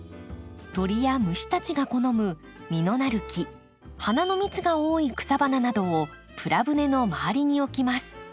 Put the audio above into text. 鳥や虫たちが好む実のなる木花の蜜が多い草花などをプラ舟の周りに置きます。